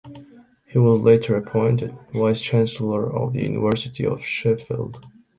He was later appointed Vice-Chancellor of the University of Sheffield.